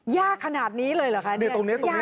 ยากขนาดนี้เลยหรือค่ะ